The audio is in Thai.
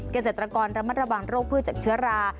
เกษตรกรระมัดระวังโรคพืชจากเชื้อรา